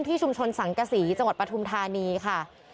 ชุมชนสังกษีจังหวัดปฐุมธานีค่ะ